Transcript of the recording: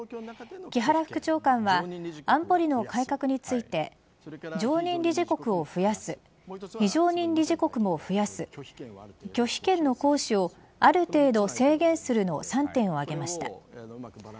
木原副長官は安保理の改革について常任理事国を増やす非常任理事国も増やす拒否権の行使をある程度制限するの３点をあげました。